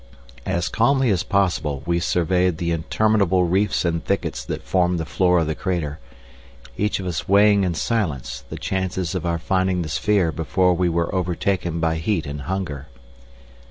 As calmly as possible we surveyed the interminable reefs and thickets that formed the floor of the crater, each of us weighing in silence the chances of our finding the sphere before we were overtaken by heat and hunger.